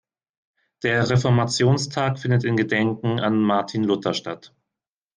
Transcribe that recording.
Der Reformationstag findet in Gedenken an Martin Luther statt.